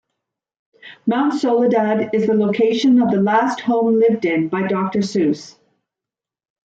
Mount Soledad is the location of the last home lived in by Doctor Seuss.